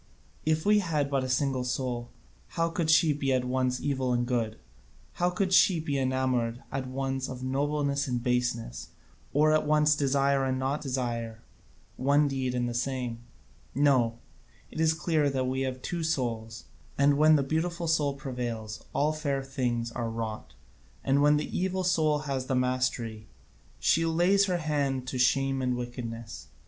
If we had but a single soul, how could she be at once evil and good? How could she be enamoured at once of nobleness and baseness, or at once desire and not desire one deed and the same? No, it is clear that we have two souls, and when the beautiful soul prevails, all fair things are wrought, and when the evil soul has the mastery, she lays her hand to shame and wickedness.